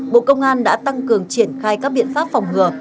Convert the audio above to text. bộ công an đã tăng cường triển khai các biện pháp phòng ngừa